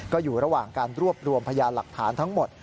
ก็อยู่ระหว่างการรวบรวมพยานหลักฐานทั้งหมด